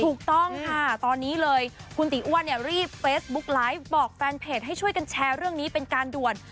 ถูกต้องค่ะตอนนี้เลยคุณตีอ้วนเนี่ยรีบเฟซบุ๊กไลฟ์บอกแฟนเพจให้ช่วยกันแชร์เรื่องนี้เป็นการด่วน